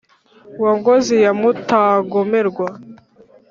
Wa Ngozi ya Mutagomerwa,